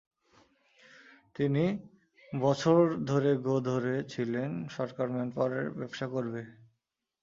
তিন বছর ধরে গোঁ ধরে ছিলেন সরকার ম্যান পাওয়ারের ব্যবসা করবে।